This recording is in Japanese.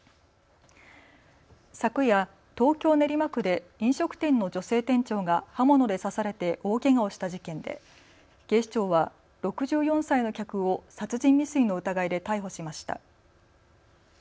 昨夜、東京練馬区で飲食店の女性店長が刃物で刺されて大けがをした事件で警視庁は６４歳の客を殺人未遂の疑いで逮捕しました。